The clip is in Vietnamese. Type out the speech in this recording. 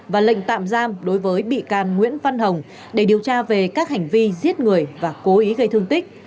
và lệnh tạm giam đối với bị can nguyễn văn hồng để điều tra về các hành vi giết người và cố ý gây thương tích